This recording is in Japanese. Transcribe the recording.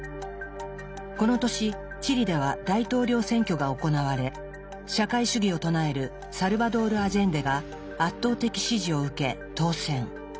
この年チリでは大統領選挙が行われ社会主義を唱えるサルバドール・アジェンデが圧倒的支持を受け当選。